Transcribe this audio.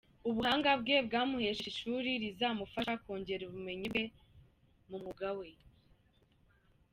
Ubuhanga bwe bwamuhesheje ishuri rizamufasha kongera ubumenyi mu mwuga we.